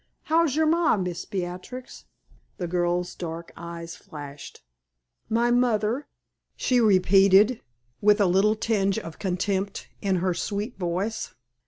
How's your ma, Miss Beatrix?" The girl's dark eyes flashed. "My mother?" she repeated, with a little tinge of contempt in her sweet voice.